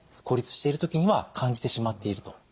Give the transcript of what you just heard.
孤立している時には感じてしまっていると。